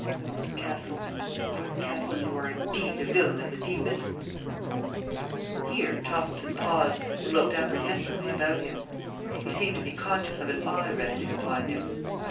Barncastle, Barncastle, you are indeed a villain of the deepest " Here Toppleton paused, and looked apprehensively about him. He seemed to be conscious of an eye resting upon him.